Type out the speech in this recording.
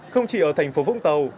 không chỉ ở thành phố vũng tàu